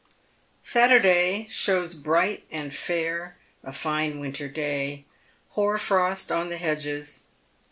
Saturday shows bright and fair, a fine winter day, hoar frost on the hedges.